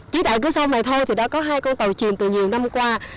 chỉ tại cửa sông này thôi thì đã có hai con tàu chìm từ nhiều năm qua